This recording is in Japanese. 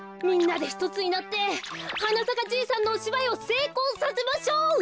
みんなでひとつになって「はなさかじいさん」のおしばいをせいこうさせましょう！